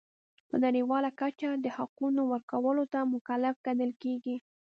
په نړیواله کچه د حقونو ورکولو ته مکلف ګڼل کیږي.